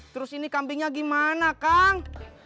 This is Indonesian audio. terus ini kambingnya gimana kang